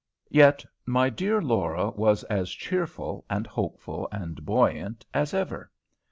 Yet my dear Laura was as cheerful, and hopeful, and buoyant as ever.